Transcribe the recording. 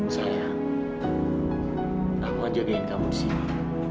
sayang aku akan jagain kamu disini